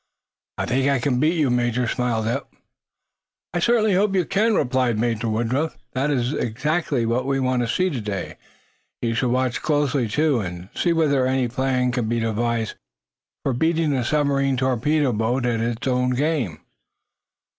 "I think I can beat you, Major," smiled Eph. "I certainly hope you can," replied Major Woodruff. "That is what we want to see today. We shall watch closely, too, and see whether any plan can be devised for beating a submarine torpedo boat at its own game."